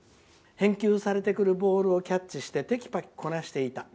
返球されてくるボールをキャッチしてテキパキこなしていた。